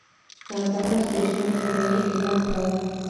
په هر سټیشن کې به یې اعلان کاوه.